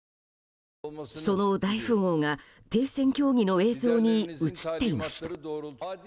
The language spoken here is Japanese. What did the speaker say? その大富豪が停戦協議の映像に映っていました。